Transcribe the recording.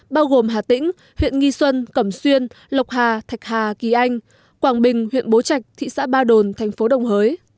bao gồm hà tĩnh huyện nghi xuân cẩm xuyên lộc hà thạch hà kỳ anh quảng bình huyện bố trạch thị xã ba đồn thành phố đồng hới